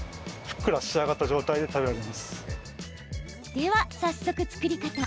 では早速、作り方。